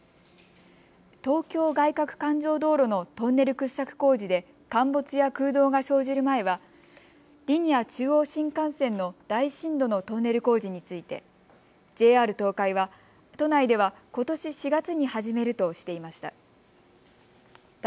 東京外かく環状道路のトンネル掘削工事で陥没や空洞が生じる前はリニア中央新幹線の大深度のトンネル工事についてＪＲ東海は都内ではことし４月に始めるとしていました。